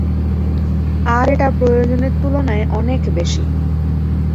আর এটা প্রয়োজনের তুলনায় অনেক বেশি।